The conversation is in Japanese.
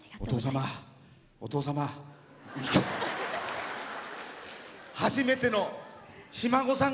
お父様、お父様。